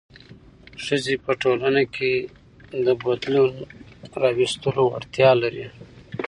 ښځې په ټولنه کې د بدلون راوستلو وړتیا لري.